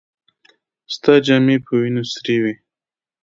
ستا جامې په وينو سرې وې.